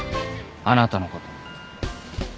あなたのこと。